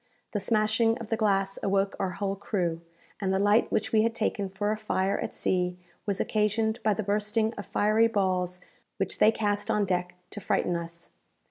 The smashing of the glass awoke our whole crew, and the light which we had taken for a fire at sea was occasioned by the bursting of fiery balls which they cast on deck to frighten us.